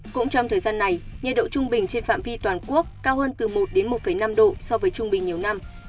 cũng trong thời gian này nhiệt độ trung bình trên phạm vi toàn quốc cao hơn từ một đến một năm độ so với trung bình nhiều năm